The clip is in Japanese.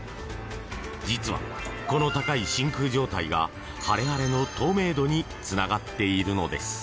実は、この高い真空状態がハレハレの透明度につながっているのです。